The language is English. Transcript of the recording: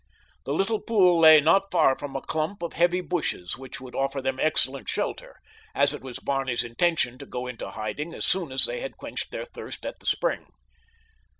The little pool lay not far from a clump of heavy bushes which would offer them excellent shelter, as it was Barney's intention to go into hiding as soon as they had quenched their thirst at the spring.